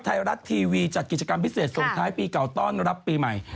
ไทยรัฐทีวีจัดกิจกรรมพิเศษส่งท้ายปีเก่าต้อนรับปีใหม่